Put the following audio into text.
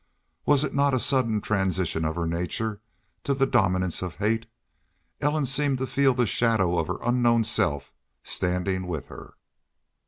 Was it not a sudden transition of her nature to the dominance of hate? Ellen seemed to feel the shadow of her unknown self standing with her.